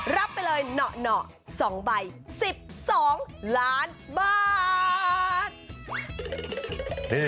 รับไปเลยเหนาะ๒ใบ๑๒ล้านบาท